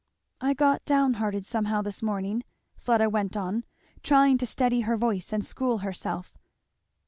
"I got down hearted somehow this morning," Fleda went on, trying to steady her voice and school herself.